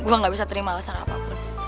gue gak bisa terima alasan apapun